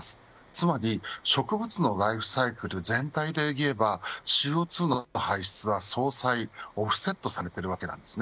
つまり、植物のライフサイクル全体で言えばＣＯ２の排出は相殺オフセットされています。